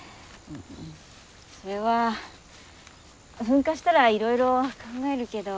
それは噴火したらいろいろ考えるけど。